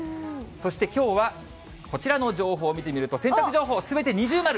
そしてきょうは、こちらの情報を見てみると、洗濯情報、すべて二重丸。